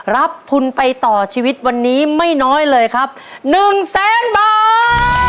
รับทุนไปต่อชีวิตวันนี้ไม่น้อยเลยครับ๑แสนบาท